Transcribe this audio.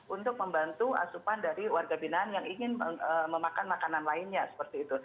untuk membantu asupan dari warga binaan yang ingin memakan makanan lainnya seperti itu